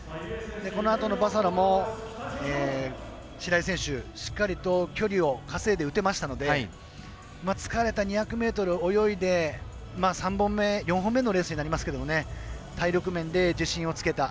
このあとのバサロも白井選手、しっかりと距離を稼いでいましたので疲れた２００ｍ泳いで３本目４本目のレースになりますけど体力面で自信をつけた。